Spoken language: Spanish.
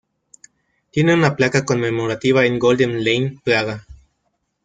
Tiene una placa conmemorativa en Golden Lane, Praga.